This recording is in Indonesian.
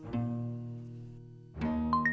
bisa enak banget